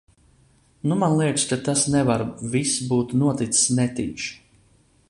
Nu, man liekas, ka tas nevar vis būt noticis netīši.